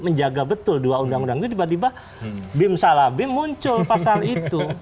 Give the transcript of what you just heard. menjaga betul dua undang undang itu tiba tiba bim salabi muncul pasal itu